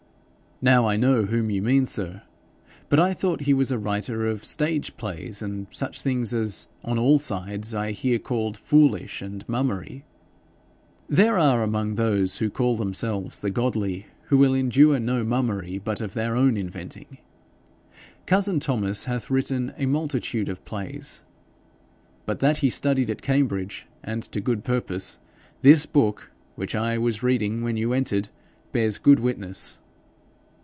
'Now I know whom you mean, sir; but I thought he was a writer of stage plays, and such things as on all sides I hear called foolish, and mummery.' 'There be among those who call themselves the godly, who will endure no mummery but of their own inventing. Cousin Thomas hath written a multitude of plays, but that he studied at Cambridge, and to good purpose, this book, which I was reading when you entered, bears good witness.'